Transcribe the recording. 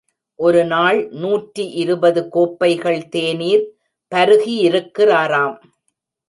ஒரு நாள் நூற்றி இருபது கோப்பைகள் தேநீர் பருகியிருக்கிறாராம்.